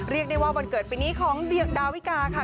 เรียกได้ว่าวันเกิดปีนี้ของดาวิกาค่ะ